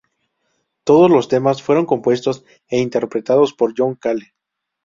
Todos los temas fueron compuestos e interpretados por John Cale.